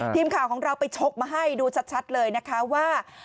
ทีมข่าวของเราไปชกมาให้ดูชัดเลยนะคะว่า